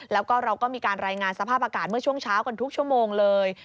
แล้วก็เราก็มีการรายงานสภาพอากาศเมื่อช่วงเช้ากันทุกชั่วโมงเลย